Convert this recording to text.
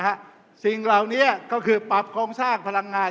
สิ่งเหล่านี้ก็คือปรับโครงสร้างพลังงาน